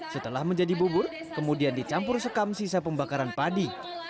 setelah menjadi bubur kemudian dicampur sekam sisa pembakaran padi